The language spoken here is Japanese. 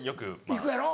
行くやろ？